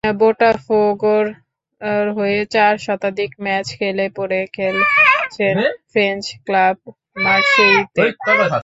বোটাফোগোর হয়ে চার শতাধিক ম্যাচ খেলে পরে খেলেছেন ফ্রেঞ্চ ক্লাব মার্শেইতে।